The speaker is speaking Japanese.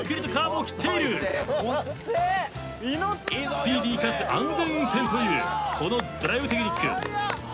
スピーディーかつ安全運転というこのドライブテクニック。